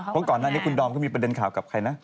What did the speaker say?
เพราะก่อนหน้านี้คุณดอมก็มีประเด็นข่าวกับใครนะ